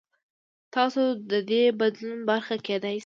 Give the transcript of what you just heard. تاسو د دې بدلون برخه کېدای شئ.